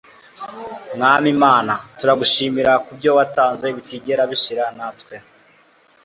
mwami mana, turagushimira kubyo watanze bitigera bishira, natwe